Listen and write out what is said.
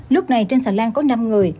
lúc này trên xà lan có năm người